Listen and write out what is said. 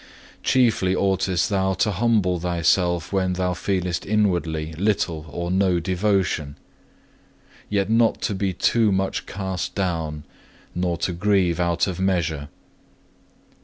Chiefly oughtest thou to humble thyself when thou feelest inwardly little or no devotion, yet not to be too much cast down, nor to grieve out of measure.